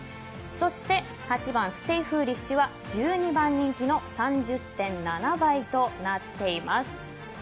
そして８番ステイフーリッシュは１２番人気の３０．７倍となっています。